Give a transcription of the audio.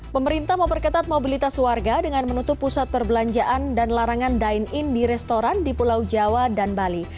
pemerintah memperketat mobilitas warga dengan menutup pusat perbelanjaan dan larangan dine in di restoran di pulau jawa dan bali